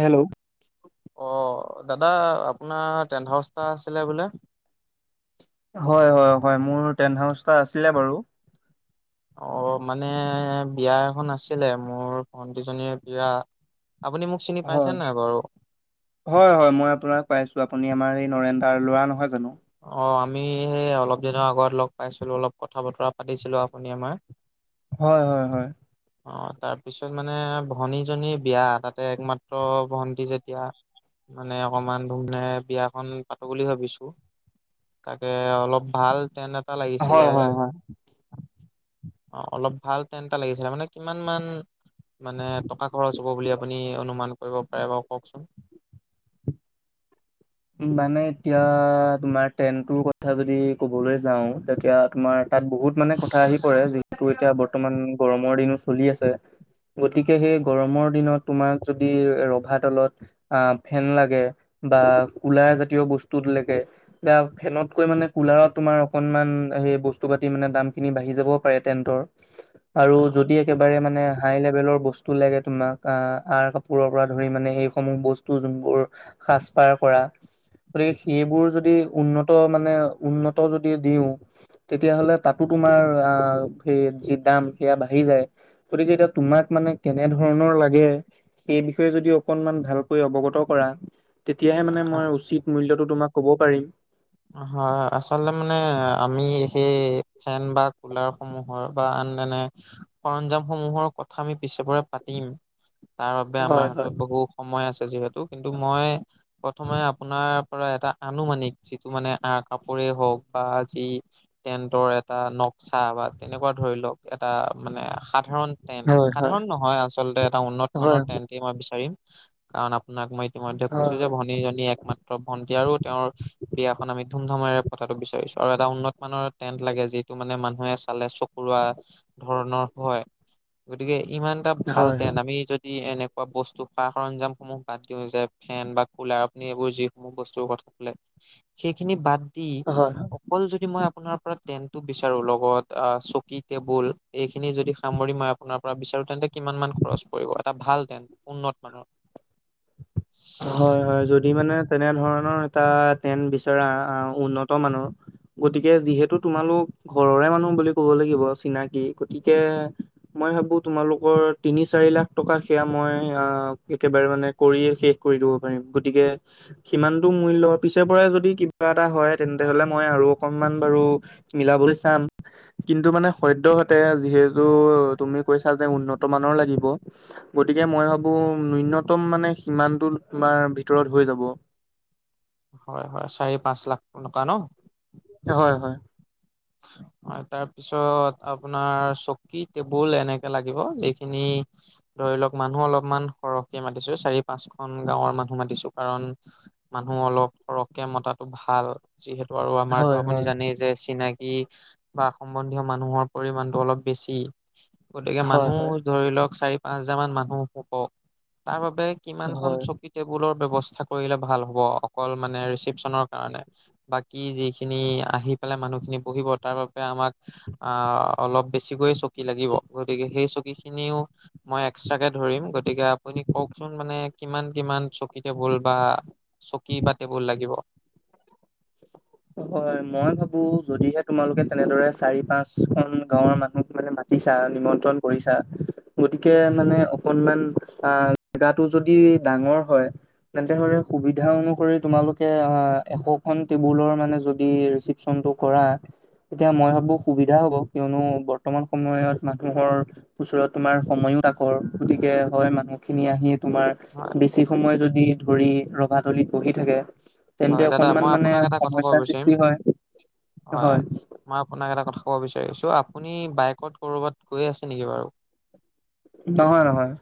Hello! অ', দাদা আপোনাৰ টেন্ট হাউচ এটা আছিলে বোলে? হয়, হয়, হয়, মোৰ টেণ্ট হাউচ এটা আছিলে বাৰু। অ', মানে বিয়া এখন আছিলে, মোৰ ভণ্টিজনীৰ বিয়া। আপুনি মোক চিনি পাইছে হয়। নাই বাৰু হয়, হয়, মই আপোনাক পাইছো। আপুনি আমাৰ এই নৰেন দাৰ ল'ৰা নহয় জানো? অ', আমি সেই অলপ দিনৰ আগত লগ পাইছিলো, অলপ কথা বতৰা পাতিছিলো আপুনি আমাৰ হয়, হয়, হয়। অ', তাৰ পিছত মানে ভনী জনীৰ বিয়া, তাতে একমাত্ৰ ভণ্টি যেতিয়া মানে অকমান ধুম ধামৰে বিয়াখন পাতো বুলি ভাবিছো। তাকে অলপ ভাল টেণ্ট এটা লাগিছিলে। হয় হয় হয়। [inaudible] অ', অলপ ভাল টেণ্ট এটা লাগিছিলে মানে কিমান মান মানে টকা খৰচ হ'ব বুলি আপুনি অনুমান কৰিব পাৰে বাৰু কওঁকচোন। মানে এতিয়া তোমাৰ টেণ্টটোৰ কথ কথা যদি ক'বলৈ যাওঁ তেতিয়া তোমাৰ তাত বহুত মানে কথা আহি পৰে যিহেতু এতিয়া ব ৰ্তমান গৰমৰ দিনো চলি আছে। গতিকে সেই গৰমৰ দিনত তোমাক যদি ৰভা তলত অ', ফেন লাগে বা কুলাৰ জাতীয় বস্তু দিলেগে। বা ফেনতকৈ মানে কুলাৰত তোমাৰ অকণমান সেই বস্তু পাতি মানে দামখিনি বাঢ়ি যাবও পাৰে টেণ্টৰ। আৰু যদি একেবাৰে মানে হাই লেভেলৰ বস্তু লাগে তোমাক আ আৰ কাপোৰৰ পৰা ধৰি মানে এইসমূহ বস্তু যোনবোৰ সাজ পাৰ কৰা। গতিকে সেইবোৰ যদি উন্নত মানে উন্নত যদি দিওঁ। তেতিয়াহ'তে তাতো তোমাৰ অ', সেই যি দাম সেয়া বাঢ়ি যায়। গতিকে এতিয়া তোমাক মানে কেনে ধৰণৰ লাগে? সেই বিষয়ে যদি অকণমান ভালকৈ অৱগত কৰা। তেতিয়াহে মানে মই উচিত মূল্যটো তোমাক ক'ব পাৰিম। হয়, আচলতে মানে আমি সেই ফেন বা কুলাৰসমুহ অ', বা আন এনে সৰঞ্জামসমূহৰ কথা আমি পিছে পৰে পাতিম। তাৰ বাবে আমাৰ হয় হয় হাতত বহু সময় আছে যিহেতু কিন্তু মই প্ৰথমে আপোনাৰ পৰা এটা আনুমানিক যিটো মানে আৰ কাপোৰে হওঁক বা যি টেণ্টৰ এটা নক্সা বা তেনেকুৱা ধৰি লওঁক এটা মানে সাধাৰণ টেণ্ট হয় হয় সাধাৰণ নহয় আচলতে এটা উন্নত হয় মানৰ টেণ্টেই মই বিচাৰিম কাৰণ আপোনাক মই ইতিমধ্যে হয় কৈছো যে ভনীজনী একমাত্ৰ ভণ্টী আৰু তেওঁৰ বিয়াখন আমি ধুম ধামেৰে পতাটো বিচাৰিছো আৰু এটা উন্নত মানৰ টেণ্ট লাগে যিটো মানে মানুহে চালে চ কৰুৱা ধৰণৰ হয় গতিকে ইমান এটা ভাল হয় হয় টেণ্ট আমি যদি দি এনেকুৱা বস্তু সা সাৰঞ্জামসমূহ বাদ দিয়া যায়, ফেন বা কুলাৰপনি এইবোৰ যিসমূহ বস্তুৰ কথ সেইখিনি বাদ দি হয় হয় অকল যদি মই আপোনাৰ পৰা টেন্টটো বিচাৰোঁ, লগত অ', চকী টেবুল এইখিনি যদি সামৰি মই আপোনাৰ পৰা বিচাৰো তেন্তে কিমান মান খৰচ পৰিব? এটা ভাল টেণ্ট উন্নত মানৰ। [inaudible] হয়, হয়, যদি মানে তেনে ধৰণৰ এটা টেন্ট বিচৰা উন্নত মানৰ। গতিকে যিহেতু তোমালোক ঘৰৰে মানুহ বুলি ক'ব লাগিব চিনাকি গতিকে মই ভাবো তোমালোকৰ তিনি চাৰি লাখ টকা সেয়া মই অ', একেবাৰে মানে কৰিয়ে শেষ কৰি দিব পাৰিম গতিকে সিমানটো মূল্য পিছেৰ পৰাই যদি কিবা এটা হয় তেন্তে হ'লে মই আৰু অকণমান বাৰু মিলাবলৈ চাম। কিন্তু মানে সদ্যহতে যিহেতু তুমি কৈছা যে উন্নত মানৰ লাগিব। গতিকে মই ভাবো ন্যূনতম মানে সিমানটো তোমাৰ ভিতৰত হৈ যাব। হয়, হয়, চাৰি পাঁচ লাখ টকা ন'। হয়, হয়। [inaudible] অ', তাৰপিছত আপোনাৰ চকী টেবুল এনেকে লাগিব যিখিনি ধৰি লওক মানুহ অলপমান সৰহকে মাতিছোঁ, এ, চাৰি, পাঁচখন গাঁৱৰ মানুহ মাতিছোঁ কাৰণ মানুহ অলপ সৰহকে মতাটো ভাল, যিহেতু আৰু আমাৰতো হয় আপুনি হয় জানেই যে চিনাকি ই বা সম্বন্ধীয় মানুহৰ পৰিমমানটো অলপ বেছি। গতিকে হয় মানুহ হয় ধৰি লওক, চাৰি, পাঁচ হাজাৰ মান মানুহ হ'ব, তাৰ বাবে কিমানখন হয়। চকী টেবুলৰ ব্যৱস্থা কৰিলে ভাল হ'ব অকল মানে ৰিচিপ্যনৰ কাৰণে? বাকী যিখিনি আহি পেলাই মানুহখিনি বহিব, তাৰ বাবে আমাক আ' অলপ বেছিকৈয়ে চকী লাগিব, গতিকে সেই চকী খিনিও মই এক্সট্ৰাকে ধৰিম। গতিকে আপুনি কওকচোন মানে কিমান কিমান চকী টেবুল বা চকী বা টেবুল লাগিব। [unintelligible] হয় মই ভাবোঁ, যদিহে তোমালোকে তেনেদৰে চাৰি পাঁচ খন গাঁৱৰ মানুহক মানে মাতি তিচা নিমন্ত্ৰণ কৰিছা। গতিকে মানে অকনমান আ' জেগাটো যদি ডাঙৰ হয় তেন্তে হ'লে সুবিধা অনুসৰি তোমালোকে, আ, এশ খন টেবুলৰ মানে যদি ৰিচিপচন টো কৰা। এতিয়া মই ভাবোঁ সুবিধা হ'ব, কিয়নো বৰ্তমান সময়ত মানুহৰ ওচৰত তোমাৰ সময়ো তাকৰ। গতিকে, হয় মানুহ খিনি আহি তোমাৰ হয় বেছি সময় যদি ধৰি ৰভা তলিত বহি থাকে তেন্তে হয়, দাদা অকনমান মই মানে আপোনাক এটা কথা ক'ব সমস্যাৰ বিচাৰিম, সৃষ্টি হয় হয়, হয় মই আপোনাক এটা কথা ক'ব বিচাৰিছোঁ আছোঁ, আপুনি বাইকত ক'ৰবাত গৈ আছে নেকি বাৰু? নহয়, নহয়।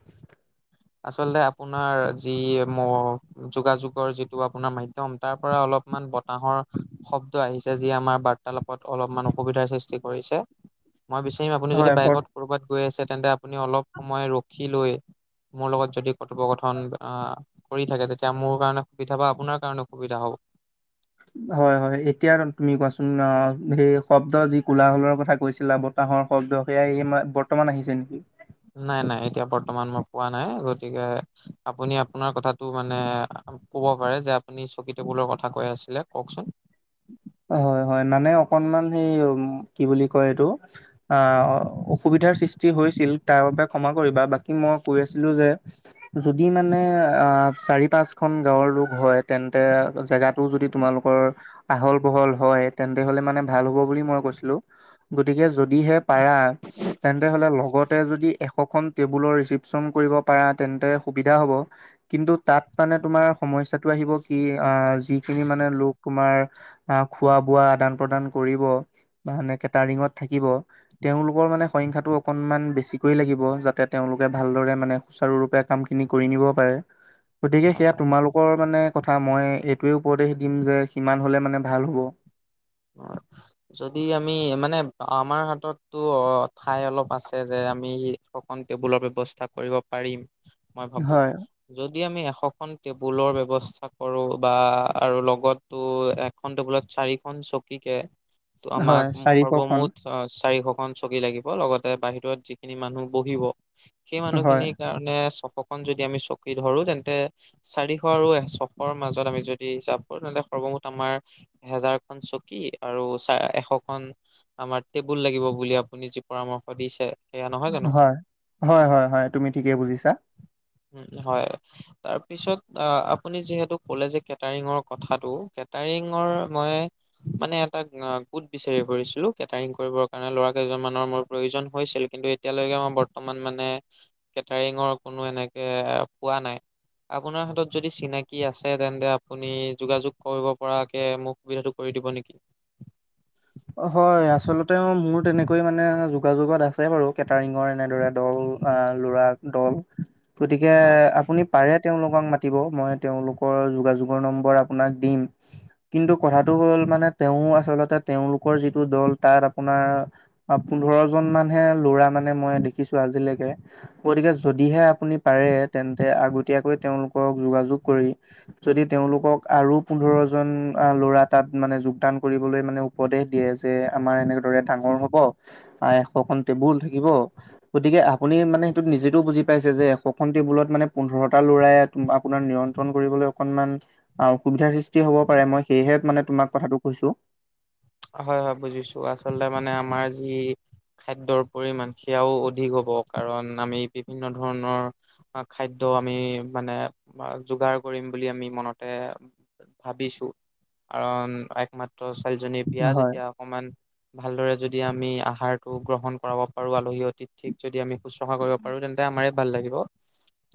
আচলতে আপোনাৰ যি মোৰ যোগাযোগৰ যিটো আপোনাৰ মাধ্য ম তাৰ পৰা অলপমান বতাহৰ শব্দ আহিছে। যি আমাৰ বাৰ্তালাপত অলপমান অসুবিধাৰ সৃষ্টি কৰিছে। মই বিচাৰিম আপুনি যদি হয় বৰ বাইকত ক'ৰবাত গৈ আছে, তেন্তে আপুনি অলপ সময় ৰখি লৈ মোৰ লগত যদি কথোপকথন আহ, কৰি থাকে। তেতিয়া মোৰ কাৰণে সুবিধা বা আপোনাৰ কাৰণে সুবিধা হ'ব। হয়, হয় এতিয়া তুমি কোৱাছোন অ' সেই শব্দ যি কোলাহলৰ কথা কৈছিলা ব তাঁহৰ শব্দ সেয়া এই বৰ্তমান আহিছে নেকি? নাই, নাই এতিয়া বৰ্তমান মই পোৱা নাই। গতিকে আপুনি আপোনাৰ কথাটো মানে ক'ব পাৰে যে, আপুনি চকী-টেবুলৰ কথা কৈ আছিলে কওকচোন। হয়, হয় মানে অকনমান হেই কি বুলি কয় এইটো আ অসুবিধাৰ সৃষ্টি হৈছিল, তাৰ বাবে ক্ষমা কৰিবা। বাকী মই কৈ আছিলো যে যদি মানে অ' চাৰি পাঁচ খন গাঁৱৰ লোক হয় তেন্তে জেগাত টো যদি তোমালোকৰ আহল বহল হয়, তেন্তে হ'লে মানে, ভাল হ'ব বুলি মই কৈছিলো। গতিকে যদিহে পাৰা, তেন্তে হ'লে লগতে যদি এশখন টেবুলৰ ৰিচিপচন কৰিব পাৰা তেন্তে সুবিধা হ'ব। কিন্তু তাত মানে তোমাৰ সমস্যাটো আহিব কি আ, যিখিনি মানে লোক তোমাৰ আ, খোৱা-বোৱা আদান-প্ৰদান কৰিব বা এনে কেটাৰিঙত থাকিব তেওঁলোকৰ মানে সংখ্যাটো অকণমান বেছিকৈ লাগিব, যাতে তেওঁলোকে ভালদৰে মানে সুচাৰু ৰূপে কামখিনি কৰি নিব পাৰে। গতিকে হয়, সেয়া তোমালোকৰ মানে কথা, মই এইটোৱে উপদেশ দিম যে, সিমান হ'লে মানে ভাল হ'ব। অ' যদি আমি মানে আমাৰ হাততো অ ঠাই অলপ আছে যে আমি শ খন টেবুলৰ ব্যৱস্থা কৰিব পাৰিম মই ভাবো। হয় যদি আমি এশখন টেবুলৰ ব্যৱস্থা কৰো বা আৰু লগত তো এখন টেবুলত চাৰিখন চকী কে ত আমাক হয় চাৰিশখন সৰ্বমুঠ অ চাৰিশখন চকী লাগিব লগতে বাহিৰত যিখিনি মানুহ বহিব সেই হয় মানুহখিনিক কাৰণে ছশখন যদি আমি চকি ধৰো তেন্তে চাৰিশ আৰু এ ছশৰ মাজত আমি যদি হিচাপ কৰো তেন্তে সৰ্বমুঠ আমাৰ এহেজাৰখন চক কি আৰু চা এশখন আমাৰ টেবুল লাগিব বুলি আপুনি যি পৰামৰ্শ দিছে। সেয়া নহয় জানো হয় হয় হয় হয়, তুমি ঠিকেই বুজিছা। উম হয়। তাৰ পিছত আ আপুনি যিহেতু ক'লে যে কেটাৰিঙৰ কথাটো কেটাৰিঙৰ মই মানে এটা আ গোট বিচাৰি ফুৰিছিলো, কেটাৰিং কৰিবৰ কাৰণে ল'ৰা কেইজন মানৰ মোৰ প্ৰয়োজন হৈছিল কিন্তু এত তিয়ালৈকে মই বৰ্তমান মানে কেটাৰিঙৰ কোনো এনেকে পোৱা নাই। আপোনাৰ হাতত যদি চিনাকি আছে তেন্তে আপুনি যোগাযোগ কৰিব পৰাকে মোৰ সুবিধাটো কৰি দিব নেকি? অ হয়, আচলতে মোৰ তেনেকৈ মানে যোগাযোগত আছে বাৰু কেটাৰিঙৰ এনেদৰে দল আ ল'ৰাৰ দল। গতিকে আপুনি পাৰে তেওঁলোকক মাতিব মই তেওঁলোকৰ যোগাযোগৰ নম্বৰ আপোনাক দিম। কিন্তু কথাটো হ'ল মানে তেওঁ আচলতে তেওঁলোকৰ যিটো দল তাত আপোনাৰ অ পোন্ধৰ জন মানহে ল'ৰা মানে মই দেখিছো আজিলেকে। গতিকে যদিহে আপুনি পাৰে তেন্তে আগতীয়াকৈ তেওঁলোকক যোগাযোগ কৰি যদি তেওঁলোকক আৰু পোন্ধৰ জন আ ল'ৰা তাত মানে যোগদান কৰিবলৈ মানে উপদেশ দিয়ে যে আমাৰ এনেদৰে ডাঙৰ হব আ এশখন টেবুল থাকিব গতিকে আপুনি মানে সেইটোত নিজেতও বুজি পাইছে যে এশখন টেবুলত মানে পোন্ধৰটা ল'ৰাই টো আপোনাৰ নিয়ন্ত্ৰণ কৰিবলৈ অকনমান আও অসুবিধাৰ সৃষ্টি হ'ব পাৰে মই সেয়ে মানে তোমাক কথাটো কৈছো। হয় হয় বুজিছো আচলতে মানে আমাৰ যি খাদ্যৰ পৰিমাণ সেয়াও অধিক হ'ব কাৰণ আমি বিভিন্ন ধৰণৰ আ খাদ্য আমি মানে আমাৰ যোগাৰ কৰিম বুলি আমি মনতে ভাবিছো। কাৰণ একমাত্ৰ ছোৱালীজনীৰ বিয়া হয়, যেতিয়া অকমান ভালদৰে যদি আমি আহাৰতো গ্ৰহণ কৰাব পাৰো আলহী অতিথিক যদি আমি শুশ্ৰূষা কৰিব পাৰো তেন্তে আমাৰে ভাল লাগিব।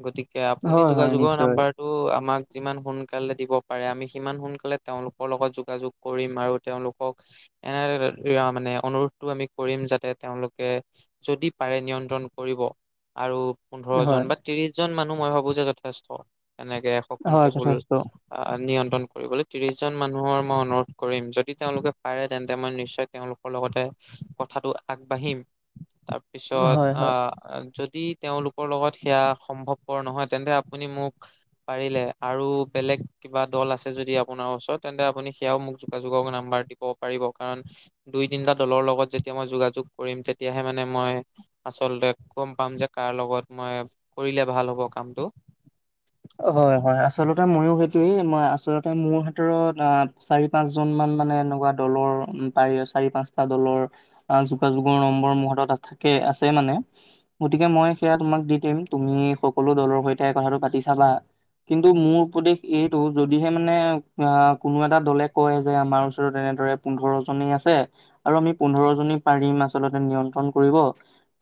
গতিকে আপুনি হয়, হয় যোগাযোগৰ নিশ্চয় নাম্বাৰ টো আমাক যিমান সোনকালে দিব পাৰে আমি সিমান সোনকালে তেওঁলোকৰ লগত যোগাযোগ কৰিম আৰু তেওঁলোক কক এনে [unintelligible] মানে অনুৰোধটো কৰিম যাতে তেওঁলোকে যদি পাৰে নিয়ন্ত্ৰণ কৰিব আৰু পোন্ধৰ হয়, জন বা ত্ৰিশ জন মানুহ মই ভাবো যে যথেষ্ট। এনেকে শকন হয় টেবুল যথেষ্ট নিয়ন্ত্ৰণ কৰিবলৈ ত্ৰিশ জন মানুহৰ মই অনুৰোধ কৰিম। যদি তেওঁলোকে পাৰে তেন্তে, মই নিশ্চয় তেওঁলোকৰ লগতে কথাটো আগবাঢ়িম। তাৰপিছত হয়, হয়। আ যদি তেওঁলোকৰ লগত সেয়া সম্ভৱপৰ নহয়, তেন্তে আপুনি মোক পাৰিলে আৰু বেলেগ কিবা দল আছে যদি আপোনাৰ ওচৰত, তেন্তে আপুনি সেয়াও মোক যোগাযোগক নাম্বাৰ দিব পাৰিব। কাৰণ দুই তিনিটা দলৰ লগত যেতিয়া মই যোগাযোগ কৰিম। তেতিয়াহে মানে মই আচলতে গম পাম যে, কাৰ লগত মই কৰিলে ভাল হ'ব কামটো। হয় হয় আচলতে, মইও সেইটোৱেই মই আচলতে মোৰ হাতৰ, আ চাৰি পাঁচ জন মান মানে, এনেকুৱা দলৰ পাৰি চাৰি পাঁচটা দলৰ আহ, যোগাযোগৰ নম্বৰ মনত থাকে আছে মানে। গতিকে, মই সেয়া তোমাক দি দিম। তুমি সকলো দলৰ সৈতে কথা চাবা, কিন্তু মোৰ উপদেশ এইটো যদিহে মানে অঁ কোনো এটা দলে কয় যে, আমাৰ ওচৰত এনেদৰে পোন্ধৰ জনেই আছে। আৰু আমি পোন্ধৰ জনী পাৰিম, আচলতে নিয়ন্ত্ৰণ কৰিব।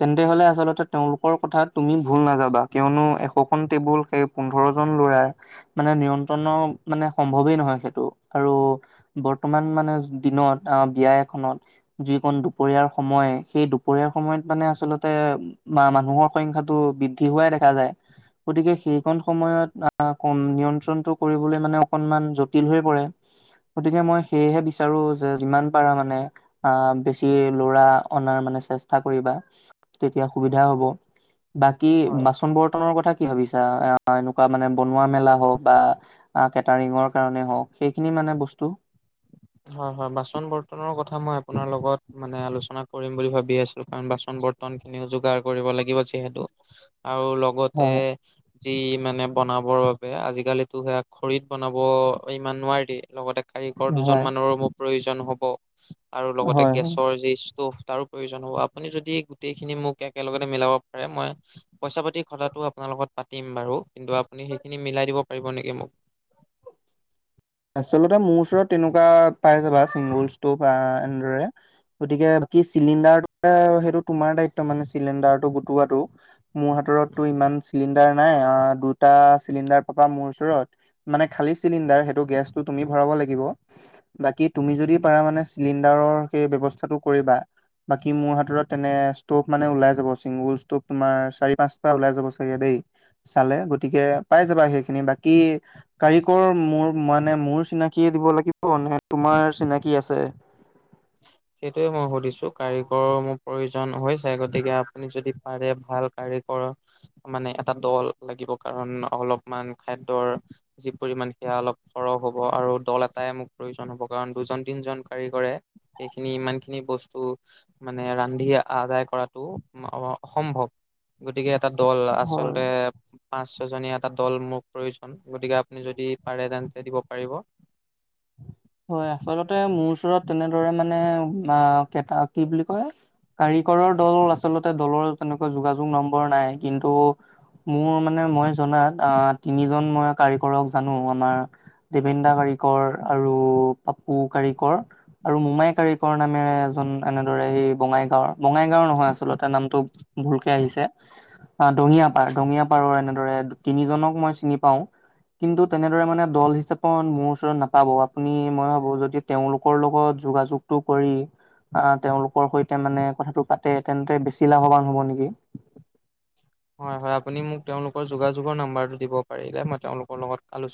তেন্তে হলে, আচলতে তেওঁলোকৰ কথা তুমি ভুল নাযাবা, কিয়নো এশখন টেবুল সেই পোন্ধৰ জন ল'ৰা মানে নিয়ন্ত্ৰণৰ মানে সম্ভৱেই নহয়, সেইটো আৰু বৰ্তমান মানে দিনত অঁহ বিয়া এখনত যি দুপৰীয়াৰ সময়, সেই দুপৰীয়াৰ সময়ত মানে আচলতে বা মানুহৰ সংখ্যাটো বৃদ্ধি হোৱাই দেখা যায়। গতিকে সেই কন সময়ত আঁহ কন নিয়ন্ত্ৰণটো কৰিবলৈ মানে অকনমান জটিল হৈ পৰে। গতিকে মই সেয়েহে বিচাৰো যে যিমান পাৰা মানে আঁহ, বেছি লৰা অনাৰ মানে চেষ্টা কৰিবা। তেতিয়া সুবিধা হব, বাকী হয় বাচন বৰ্তনৰ কথা কি ভাবিছা? এনেকুৱা মানে বনোৱা মেলা হওক বা কেটাৰিঙৰ কাৰণে হওক, সেইখিনি মানে বস্তু হয় হয়, বাচন বৰ্তনৰ কথা মই আপোনাৰ লগত মানে আলোচনা কৰিম বুলি ভাবি আছিলো। কাৰণ বাচন ব ৰ্তন খিনিও যোগাৰ কৰিব লাগিব। যিহেতু আৰু লগতে হয় যি মানে বনাবৰ বাবে আজিকালিটো, সেইয়া খৰিত বনাব ইমান নোৱাৰি, লগতে কাৰিকৰ দুজন হয় মানৰো মোৰ প্ৰয়োজন হ'ব, আৰু লগতে হয় হয় গেছৰ যি ষ্ট'ভ, তাৰো প্ৰয়োজন হ'ব। আপুনি যদি গোটেই খিনি মোক একেলগতে মিলাব পাৰে, মই পইচা পাতি কথাটো আপোনাৰ লগত পাতিম বাৰু। কিন্তু আপুনি সেইখিনি মিলাই দিব পাৰিব নেকি মোক? আচলতে মোৰ ওচৰত তেনেকুৱা পাই যাবা, চিংগল স্তক আঁ এনেদৰে গতিকে, বাকী চিলিণ্ডাৰ সেইটো তোমাৰ দায়িত্ব মানে চিলিণ্ডাৰটো গোটোৱাটো। মোৰ হাতৰটো ইমান চিলিণ্ডাৰ নাই। অঁ দুটা চিলিণ্ডাৰ পাবা মোৰ ওচৰত। মানে খালি চিলিণ্ডাৰ সেই টো গেছটো তুমি ভৰাব লাগিব। বাকী তুমি যদি পাৰা মানে, সেই ব্যৱস্থাটো কৰিবা। বাকী মোৰ হাতত তেনে ষ্টভ মানে ওলাই যাব। চিংগল ষ্টভ তোমাৰ চাৰি পাঁচটা ওলাই যাব, চাগে দেই। চালে গতিকে পাই যাবা সেইখিনি, বাকী কাৰিকৰ মোৰ মানে মোৰ চিনাকিয়ে দিব লাগিব নে, তোমাৰ চিনাকি আছে? সেইটোয়ে মই সুধিছো, কাৰিকৰৰ মোৰ প্ৰয়োজন হৈছে। গতিকে আপুনি যদি পাৰে ভাল কাৰিকৰ। মানে এটা দল লাগিব। কাৰণ অলপমান খাদ্যৰ যি পৰিমণ সেয়া অলপ সৰহ হ'ব। আৰু দল এটাই মোক প্ৰয়োজন হ'ব। কাৰণ দুজন তিনজন কাৰিকৰে এইখিনি ইমান খিনি বস্তু মানে, ৰান্ধি আদায় কৰাতটো অসম্ভৱ। গতিকে, এটা দল হয়। আচলতে পাঁচ ছ জনীয়া এটা দল মোক প্ৰয়োজন, গতিকে আপুনি যদি পাৰে তেন্তে দিব পাৰিব। হয় আচলতে মোৰ ওচৰত তেনেদৰে মানে কটা কি বুলি কয়, কাৰিকৰৰ দল আচলতে দলৰ তেনেকুৱা যোগাযোগ নম্বৰ নাই। কিন্তু মোৰ মানে মই জনাত অঁ তিনিজন মই কাৰিকৰক জানো, আমাৰ দিবেন দা কাৰিকৰ আৰু পাপু কাৰিকৰ। আৰু মোমাই কাৰিকৰ নামেৰে এজন এনেদৰে সি বঙাইগাঁওৰ। বঙাইগাঁও নহয় আচলতে, নামটো ভুলকে আহিছে। এ দঙিয়া পাৰ দঙিয়া পাৰৰ এনেদৰে তিনিজনক মই চিনি পাওঁ। কিন্তু তেনেদৰে মানে দল হিচাপত মোৰ ওচৰত নাপাব। মই ভাবো যদি তেওঁলোকৰ লগত যোগাযোগটো কৰি আহ তেওঁলোকৰ সৈতে মানে কথাটো পাতে তেন্তে বেছি লাভৱান হব নেকি। হয় হয় আপুনি মোক তেওঁলোকৰ যোগাযোগৰ নাম্বৰটো দিব পাৰিলে মই তেওঁলোকৰ লগত আলোছ